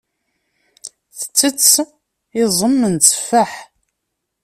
Tettess iẓem n tteffaḥ.